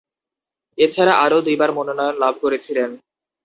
এছাড়া আরও দুইবার মনোনয়ন লাভ করেছিলেন।